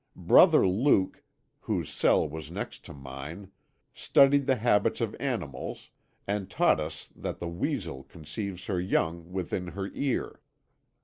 Brother Luke, whose cell was next to mine, studied the habits of animals and taught us that the weasel conceives her young within her ear.